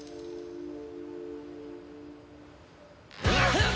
フッ！